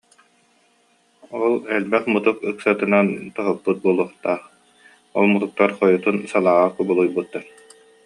Ол элбэх мутук ыксатынан тоһуппут буолуохтаах, ол мутуктар хойутун салааҕа кубулуйбуттар